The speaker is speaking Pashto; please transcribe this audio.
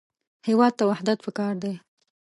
هېواد ته وحدت پکار دی